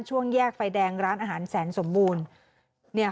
ช่วงแยกไฟแดงร้านอาหารแสนสมบูรณ์